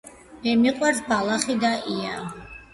მე მიყვარს ბალახი და ია